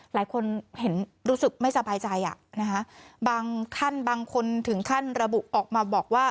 หลายคนเห็นรู้สึกไม่สบายใจอ่ะนะคะบางท่านบางคนถึงขั้นระบุออกมาบอกว่า